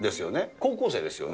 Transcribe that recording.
高校生ですよね。